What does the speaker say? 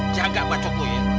jangan gak bacot lo ya